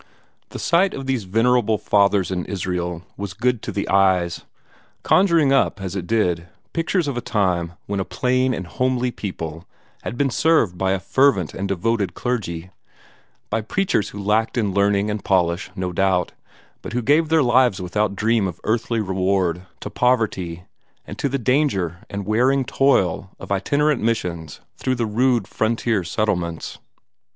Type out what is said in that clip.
The sight of these venerable Fathers in Israel was good to the eyes, conjuring up, as it did, pictures of a time when a plain and homely people had been served by a fervent and devoted clergy by preachers who lacked in learning and polish, no doubt, but who gave their lives without dream of earthly reward to poverty and to the danger and wearing toil of itinerant missions through the rude frontier settlements.